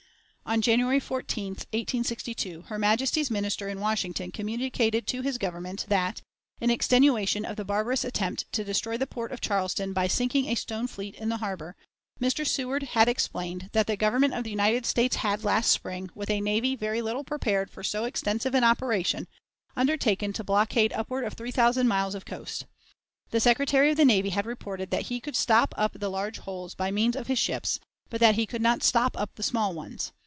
On January 14, 1862, her Majesty's Minister in Washington communicated to his Government that, in extenuation of the barbarous attempt to destroy the port of Charleston by sinking a stone fleet in the harbor, Mr. Seward had explained that "the Government of the United States had, last spring, with a navy very little prepared for so extensive an operation, undertaken to blockade upward of three thousand miles of coast. The Secretary of the Navy had reported that he could stop up the 'large holes' by means of his ships, but that he could not stop up the 'small ones.'